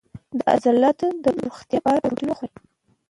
د عضلاتو د روغتیا لپاره پروتین وخورئ